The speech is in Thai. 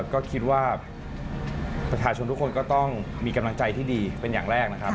ก็คิดว่าประชาชนทุกคนก็ต้องมีกำลังใจที่ดีเป็นอย่างแรกนะครับ